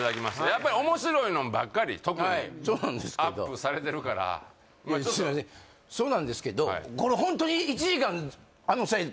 やっぱり面白いのんばっかり特にそうなんですけどアップされてるからまあちょっとそうなんですけどこれホントに１時間あのサイズ